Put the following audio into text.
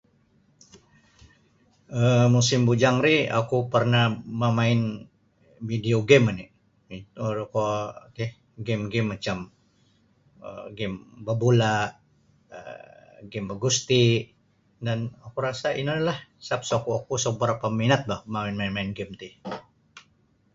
um musim bujang ri oku parnah mamain video game oni um kuo ti game-game macam um game babula game bagusti dan oku rasa ino oilah sebap oku isa barapa minat boh main-main game ti.